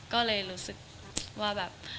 ก็เลยรู้สึกว่าแบบ